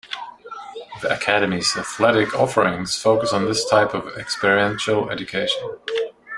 The Academy's athletic offerings focus on this type of experiential education.